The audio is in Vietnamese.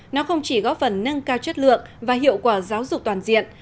nó không chỉ góp phần nâng cao chất lượng và hiệu quả giáo dục toàn diện